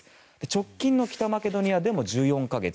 直近の北マケドニアでも１４か月。